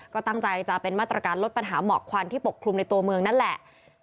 ก็ตั้งใจจะเป็นมาตรการลดปัญหาหมอกควันที่ปกคลุมในตัวเมืองนั่นแหละ